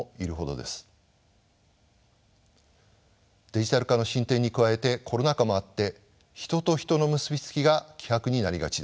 デジタル化の進展に加えてコロナ禍もあって人と人の結び付きが希薄になりがちです。